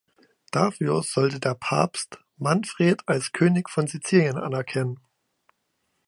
Dafür sollte der Papst Manfred als König von Sizilien anerkennen.